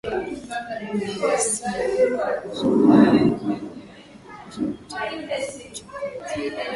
Ninawasihi kujizuia na ni muhimu kujiepusha na vitendo vya uchokozi